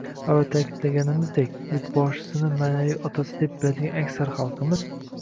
Avval ta’kidlaganimizdek, yurtboshisini ma’naviy otasi deb biladigan aksar xalqimiz